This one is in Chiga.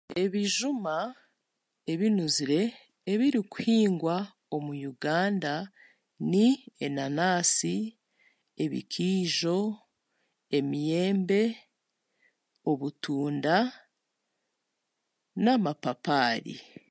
Ebijuma, ebinuzire, ebirikuhingwa omu Uganda ni enanaasi, ebikiijo, emiyembe, obutunda n'amapapaari.